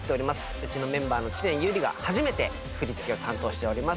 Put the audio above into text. うちのメンバーの知念侑李が初めて振り付けを担当しております。